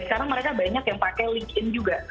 sekarang mereka banyak yang pakai linkedin juga